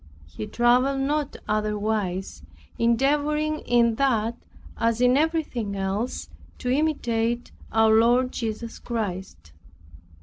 He traveled not otherwise, endeavoring in that, as in everything else, to imitate our Lord Jesus Christ.